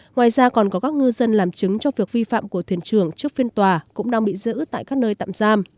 ngoài ra còn có các ngư dân làm chứng cho việc vi phạm của thuyền trưởng trước phiên tòa cũng đang bị giữ tại các nơi tạm giam